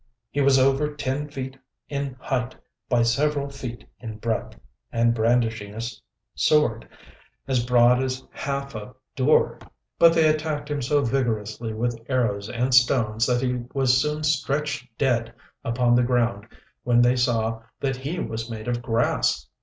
He was over ten feet in height by several feet in breadth, and brandished a sword as broad as half a door; but they attacked him so vigorously with arrows and stones that he was soon stretched dead upon the ground, when they saw that he was made of grass.